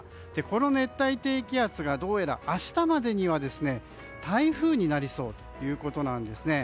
この熱帯低気圧がどうやら明日までには台風になりそうということなんです。